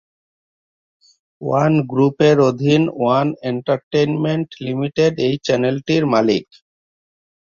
One group এর অধীন one entertainment limited এই চ্যানেলটির মালিক।